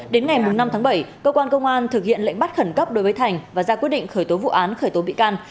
đến ngày năm tháng bảy cơ quan công an thực hiện lệnh bắt khẩn cấp đối với thành và ra quyết định khởi tố vụ án khởi tố bị can